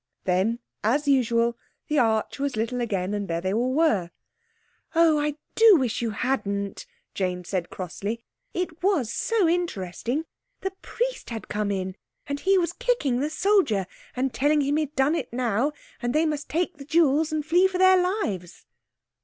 Then, as usual, the arch was little again and there they all were. "Oh, I do wish you hadn't!" Jane said crossly. "It was so interesting. The priest had come in and he was kicking the soldier, and telling him he'd done it now, and they must take the jewels and flee for their lives."